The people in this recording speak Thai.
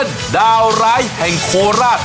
เชื่อยังครับ